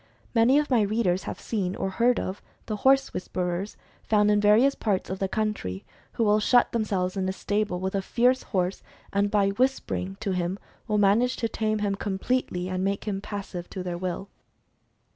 Many of my readers have seen, or heard of, the horse "whisperers" found in various parts of the country, who will shut themselves in a stable with a fierce horse, and by "whispering" to him will manage to tame him com pletely, and make him passive to their will.